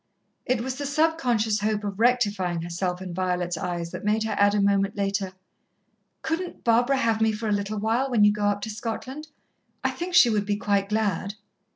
It was the subconscious hope of rectifying herself in Violet's eyes that made her add a moment later: "Couldn't Barbara have me for a little while when you go up to Scotland? I think she would be quite glad."